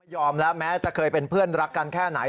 แล้วแม้จะเคยเป็นเพื่อนรักกันแค่ไหน